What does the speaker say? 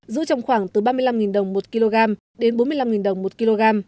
giữ trong khoảng từ ba mươi năm đồng một kg đến bốn mươi năm đồng một kg